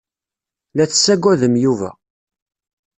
La tessaggadem Yuba.